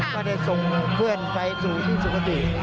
ก็ได้ส่งเพื่อนไปสู่ที่สุขติ